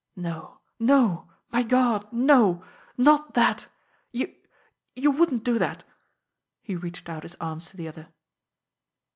"No! No! My God no not that! You you wouldn't do that!" He reached out his arms to the other.